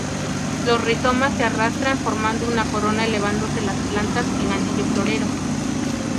Los rizomas se arrastran formando una corona elevándose las plantas en anillo florero.